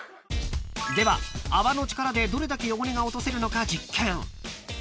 ［では泡の力でどれだけ汚れが落とせるのか実験］